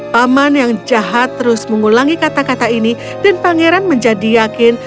paman yang jahat terus mengulangi kata kata ini dan pangeran menjadi yakin